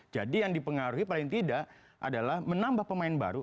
jadi yang dipengaruhi paling tidak adalah menambah pemain baru